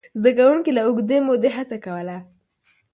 زده کوونکي له اوږدې مودې هڅه کوله.